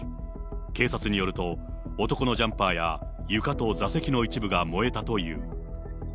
警察によると、男のジャンパーや床と座席の一部が燃えたという。